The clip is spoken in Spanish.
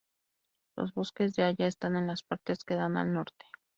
Los bosques de haya están en las partes que dan al norte.